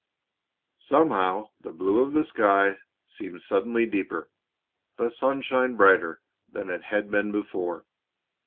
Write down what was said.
Somehow the blue of the sky seemed suddenly deeper, the sunshine brighter than it had been before.